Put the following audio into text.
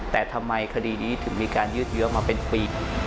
แต่ทำไมคดีนี้ถึงมีการยืดเยอะมาเป็นปี